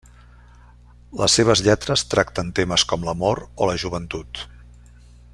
Les seves lletres tracten temes com l'amor o la joventut.